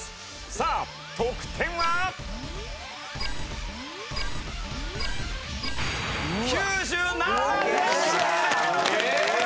さあ得点は！？９７．３０６！